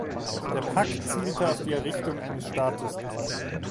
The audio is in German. Der Pakt zielte auf die Errichtung eines Staates ab.